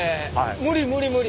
無理無理無理。